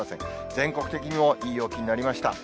全国的にもいい陽気になりました。